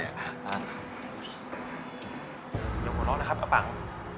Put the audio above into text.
อย่าหัวเราะนะครับอ้าปัง